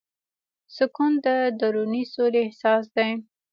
سکون د دروني سولې احساس دی.